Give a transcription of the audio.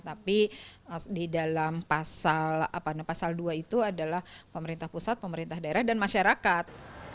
tapi di dalam pasal dua itu adalah pemerintah pusat pemerintah daerah dan masyarakat